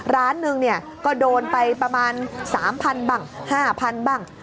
ร้านนึงเนี่ยก็โดนไปประมาณ๓๐๐๐บ้าง๕๐๐บ้าง